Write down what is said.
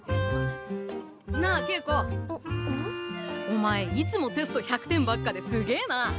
お前いつもテスト１００点ばっかですげえな。